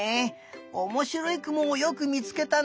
おもしろいくもをよくみつけたね。